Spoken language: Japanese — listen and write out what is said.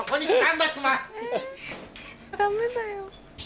ダメだよ。